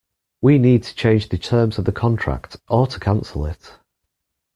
We need to change the terms of the contract, or to cancel it